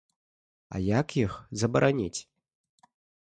А як іх забараніць?